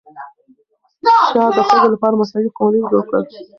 شاه د ښځو لپاره مساوي قوانین جوړ کړل.